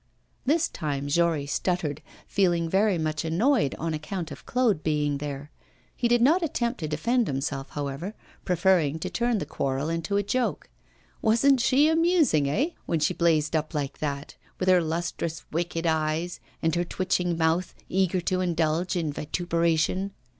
This time Jory stuttered, feeling very much annoyed on account of Claude being there. He did not attempt to defend himself, however, preferring to turn the quarrel into a joke. Wasn't she amusing, eh? when she blazed up like that, with her lustrous wicked eyes, and her twitching mouth, eager to indulge in vituperation?